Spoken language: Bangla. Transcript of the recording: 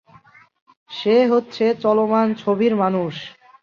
সে হচ্ছে চলমান ছবির মানুষ।